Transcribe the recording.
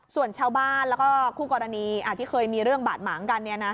ส่วนชาวบ้านแล้วก็คู่กรณีที่เคยมีเรื่องบาดหมางกัน